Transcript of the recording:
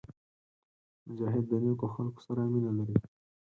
مجاهد د نیکو خلکو سره مینه لري.